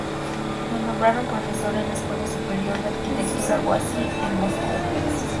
Lo nombraron profesor en la Escuela superior de Arquitectura Wasi, en Moscú.